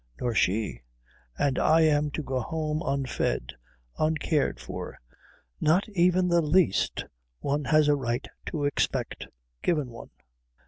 Nor she. And I am to go home unfed. Uncared for. Not even the least one has a right to expect given one.